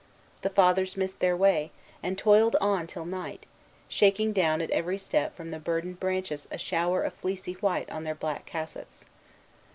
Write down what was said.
The Fathers missed their way, and toiled on till night, shaking down at every step from the burdened branches a shower of fleecy white on their black cassocks.